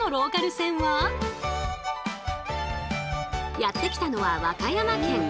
やって来たのは和歌山県。